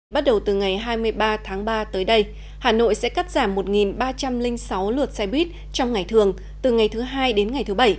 bắt đầu từ ngày hai mươi ba tháng ba tới đây hà nội sẽ cắt giảm một ba trăm linh sáu lượt xe buýt trong ngày thường từ ngày thứ hai đến ngày thứ bảy